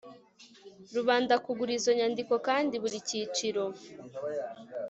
rubanda kugura izo nyandiko kandi buri cyiciro